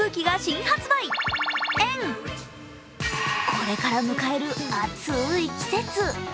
これから迎える暑い季節。